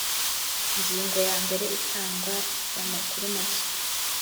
ingingo ya mbere itangwa ry amakuru mashya